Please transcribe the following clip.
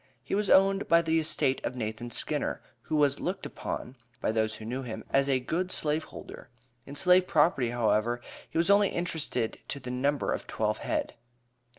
He was owned by the estate of Nathan Skinner, who was "looked upon," by those who knew him, "as a good slave holder." In slave property, however, he was only interested to the number of twelve head.